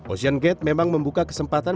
ocean gate memang membuka kesempatan